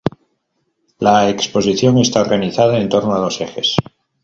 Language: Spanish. La exposición está organizada en torno a dos ejes.